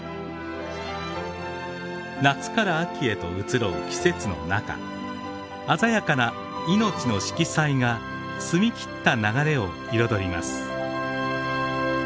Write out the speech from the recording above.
夏から秋へと移ろう季節の中鮮やかな命の色彩が澄み切った流れを彩ります。